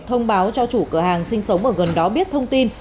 thông báo cho chủ cửa hàng sinh sống ở gần đó biết thông tin